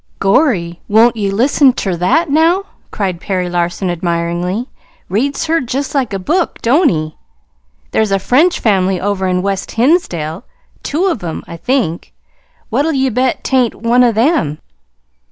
"Gorry! Won't ye listen ter that, now?" cried Perry Larson admiringly. "Reads her just like a book, don't he? There's a French family over in West Hinsdale two of 'em, I think. What'll ye bet 't ain't one o' them?"